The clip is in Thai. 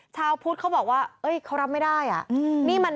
ชาวพุทธเขาบอกว่าเขารับไม่ได้อ่ะ